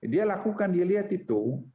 dia lakukan dia lihat itu